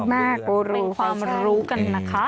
บูฝ่าพระขุนมากเป็นความรู้กันนะคะ